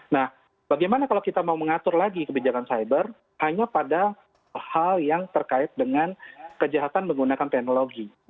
nah bagaimana kalau kita mau mengatur lagi kebijakan cyber hanya pada hal yang terkait dengan kejahatan menggunakan teknologi